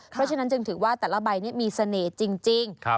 เพราะฉะนั้นจึงถือว่าแต่ละใบนี้มีเสน่ห์จริง